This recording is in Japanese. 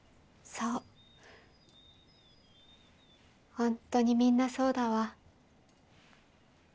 本当にみんなそうだわ。